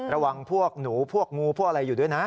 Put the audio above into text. ระวังพวกหนูพวกงูพวกอะไรอยู่ด้วยนะ